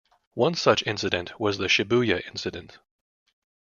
One such incident was the Shibuya incident.